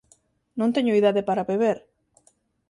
Non teño idade para beber.